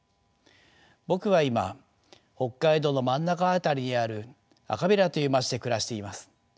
僕は今北海道の真ん中辺りにある赤平という町で暮らしています。